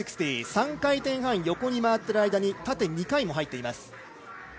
３回転半横に回っている間に縦２回も入っています。